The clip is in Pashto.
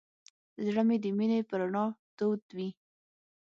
زړه د مینې په رڼا تود وي.